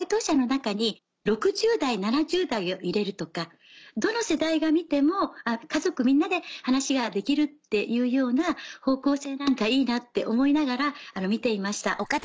その解答者の中に６０代７０代を入れるとかどの世代が見ても家族みんなで話ができるっていうような方向性なんかいいなって思いながら見ていました。